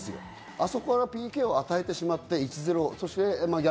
あそこでＰＫを与えてしまって１対０。